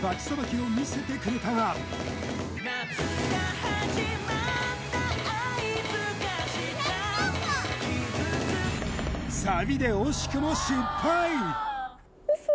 捌きを見せてくれたがサビで惜しくも失敗！